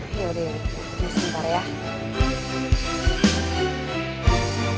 ini udah take off lagi